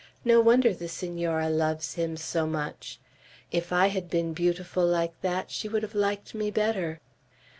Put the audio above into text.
No wonder the Senora loves him so much! If I had been beautiful like that she would have liked me better."